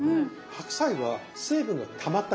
白菜は水分がたまった感じ。